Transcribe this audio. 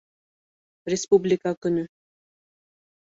Республика көнө